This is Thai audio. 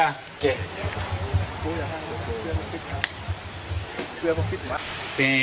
โอเค